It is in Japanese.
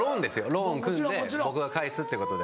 ローン組んで僕が返すってことで。